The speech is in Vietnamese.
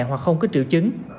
hoặc không có triệu chứng